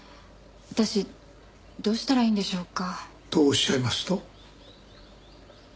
私どうしたらいいんでしょうか？とおっしゃいますと？